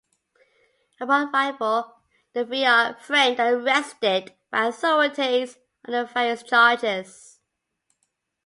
Upon arrival, the three are framed and arrested by the authorities under various charges.